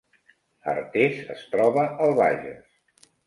Artés es troba al Bages